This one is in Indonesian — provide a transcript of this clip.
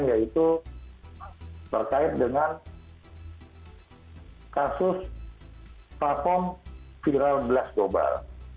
yaitu berkait dengan kasus platform viral blast global